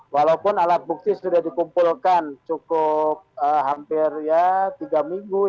walaupun alat bukti sudah dikumpulkan cukup hampir ya tiga minggu